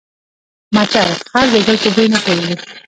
متل: خر د ګل په بوی نه پوهېږي.